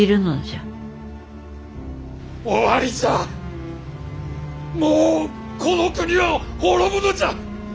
終わりじゃもうこの国は滅ぶのじゃ！